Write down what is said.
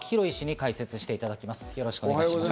よろしくお願いします。